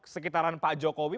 sekitaran pak jokowi